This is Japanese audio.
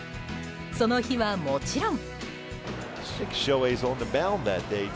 その日は、もちろん。